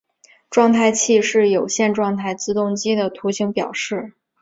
状态器是有限状态自动机的图形表示。